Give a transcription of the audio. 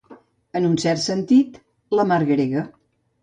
En un cert sentit, la mar grega.